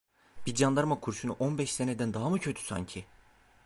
Bir candarma kurşunu on beş seneden daha mı kötü sanki?